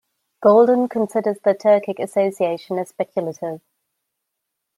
Golden considers the Turkic association as speculative.